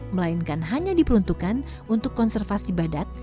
melainkan hanya diperuntukkan untuk konservasi badak